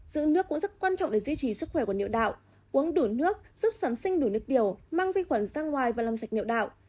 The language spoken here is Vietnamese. giữ nước cũng rất quan trọng để duy trì sức khỏe của nhựa đạo uống đủ nước giúp sản sinh đủ nước điều mang vi khuẩn sang ngoài và làm sạch nhựa